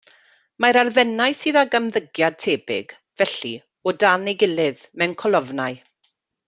Mae'r elfennau sydd ag ymddygiad tebyg, felly, o dan ei gilydd, mewn colofnau.